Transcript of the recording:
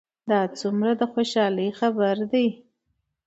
دا څومره د خوشحالۍ خبر ده؟